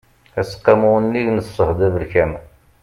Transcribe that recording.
aseqqamu unnig n ṣṣehd abelkam